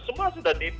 semua sudah dp